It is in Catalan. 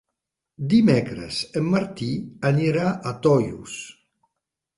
Dimecres en Martí anirà a Tollos.